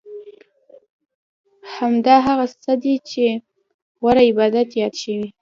همدا هغه څه دي چې غوره عبادت یاد شوی.